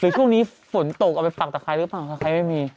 คือช่วงนี้ฝนตกเอาไปฝักตะใครหรือเปล่าตะใครไม่มี